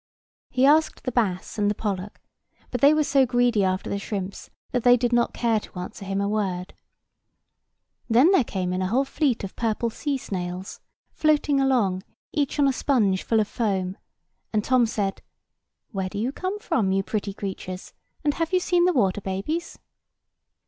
He asked the bass and the pollock; but they were so greedy after the shrimps that they did not care to answer him a word. Then there came in a whole fleet of purple sea snails, floating along, each on a sponge full of foam, and Tom said, "Where do you come from, you pretty creatures? and have you seen the water babies?"